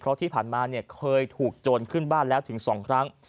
เพราะที่ผ่านมาเนี่ยเคยถูกโจรขึ้นบ้านแล้วถึง๒ครั้ง